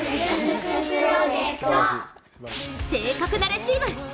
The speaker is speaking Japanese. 正確なレシーブ。